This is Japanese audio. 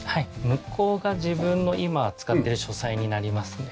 向こうが自分の今使ってる書斎になりますね。